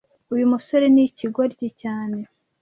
Uyu musore ni ikigoryi cyane